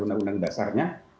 terlibat dengan perumusan ru dasar